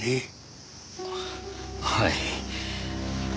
はい。